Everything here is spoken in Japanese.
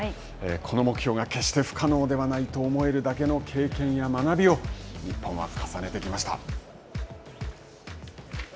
この目標が決して不可能ではないと思えるだけの経験や学びを日本は重ねてきました。